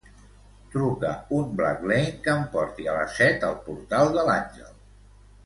Trucar un Blacklane que em porti a les set al Portal de l'Àngel.